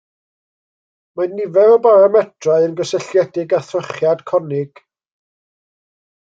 Mae nifer o baramedrau yn gysylltiedig â thrychiad conig.